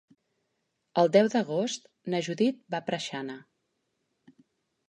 El deu d'agost na Judit va a Preixana.